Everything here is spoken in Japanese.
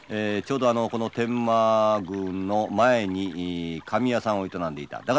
ちょうどこの天満宮の前に紙屋さんを営んでいた。